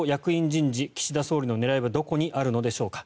人事岸田総理の狙いはどこにあるのでしょうか。